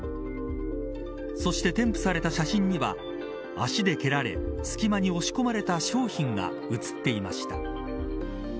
そして、添付された写真には足で蹴られ隙間に押し込まれた商品が写っていました。